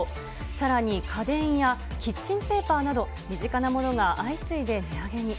さらに家電やキッチンペーパーなど、身近なものが相次いで値上げに。